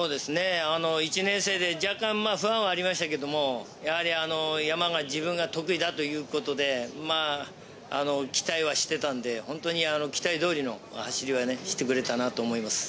１年生で若干不安はありましたけど、山は自分が得意だということで期待はしていたので本当に期待通りの走りをしてくれたなと思います。